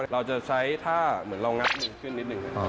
เราจะใช้ท่าเหมือนเรางัดมือขึ้นนิดนึง